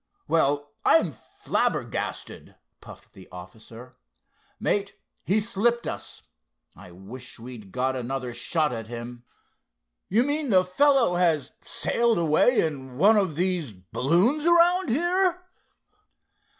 "Well, I'm flabbergasted!" puffed the officer. "Mate, he's slipped us. I wish we'd got another shot at him. You mean the fellow has sailed away in one of these balloons around here?"